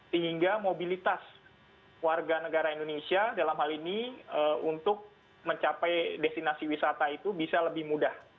sehingga mobilitas warga negara indonesia dalam hal ini untuk mencapai destinasi wisata itu bisa lebih mudah